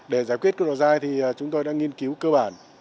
để giải quyết cái độ dai thì chúng tôi đã nghiên cứu cơ bản